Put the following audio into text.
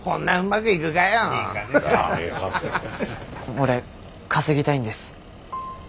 俺稼ぎたいんです。